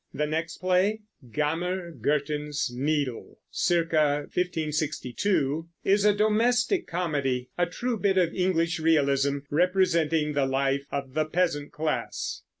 The next play, "Gammer Gurton's Needle" (cir. 1562), is a domestic comedy, a true bit of English realism, representing the life of the peasant class.